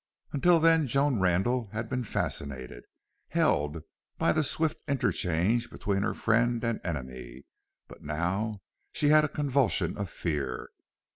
Until then Joan Randle had been fascinated, held by the swift interchange between her friend and enemy. But now she had a convulsion of fear.